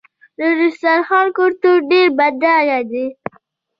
د دسترخوان کلتور ډېر بډایه دی.